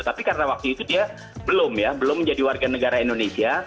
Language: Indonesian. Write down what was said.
tapi karena waktu itu dia belum ya belum menjadi warga negara indonesia